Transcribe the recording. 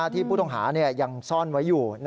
ที่ผู้ต้องหายังซ่อนไว้อยู่